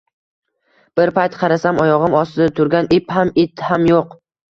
Bir payt qarasam, oyog`im ostida turgan ip ham, it ham yo`q